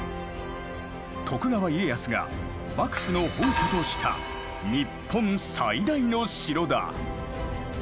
徳川家康が幕府の本拠とした日本最大の城だ。